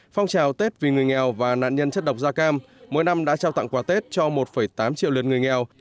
phong trào tết vì người nghèo và nạn nhân chất độc da cam mỗi năm đã trao tặng quà tết cho một tám triệu lượt người nghèo